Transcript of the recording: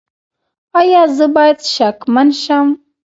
ایا زه باید شکمن شم؟